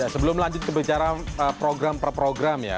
sebelum lanjut kebicaraan program per program ya